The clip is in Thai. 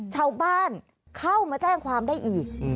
ชาวบ้านเข้ามาแจ้งความได้อีก